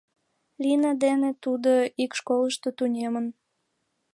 Лина дене тудо ик школышто тунемын.